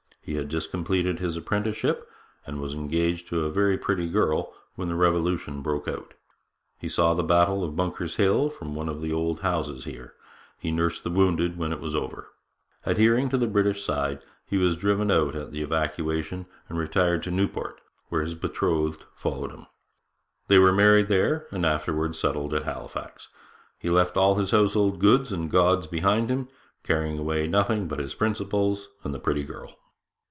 He had just completed his apprenticeship, and was engaged to a very pretty girl, when the Revolution broke out. He saw the battle of Bunker's Hill from one of the old houses here; he nursed the wounded when it was over. Adhering to the British side, he was driven out at the evacuation, and retired to Newport, where his betrothed followed him. They were married there, and afterwards settled at Halifax. He left all his household goods and gods behind him, carrying away nothing but his principles and the pretty girl.'